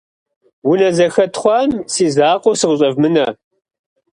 Унэ зэхэтхъуам си закъуэу сыкъыщӀэвмынэ!